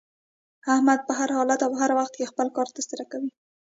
احمد په هر حالت او هر وخت کې خپل کار تر سره کوي.